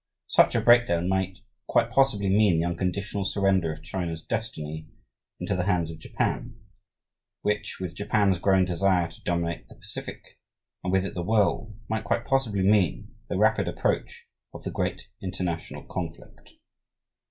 Such a breakdown might quite possibly mean the unconditional surrender of China's destiny into the hands of Japan; which, with Japan's growing desire to dominate the Pacific, and with it the world, might quite possibly mean the rapid approach of the great international conflict.